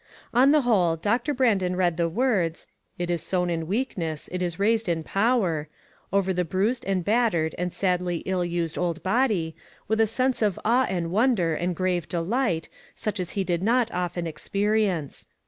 On the whole, Doctor Brandon read the words, " It is sown in weakness, it is raised in power," over the bruised and battered and sadly ill used old body, with a sense of awe and wonder and grave delight, such as he did not often experience.